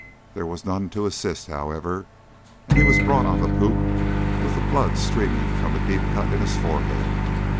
There was none to assist, however, and he was brought on to the poop with the blood streaming from a deep cut in his forehead.